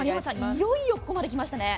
いよいよここまで来ましたね。